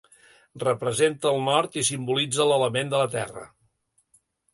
Representa el nord i simbolitza l'element de la terra.